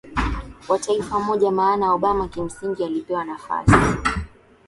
wa taifa moja Maana Obama kimsingi alipewa nafasi